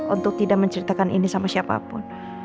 untuk tidak menceritakan ini sama siapapun